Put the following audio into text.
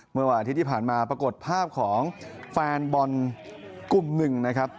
เมื่อวันอาทิตย์ที่ผ่านมาปรากฏภาพของแฟนบอลกลุ่มหนึ่งนะครับ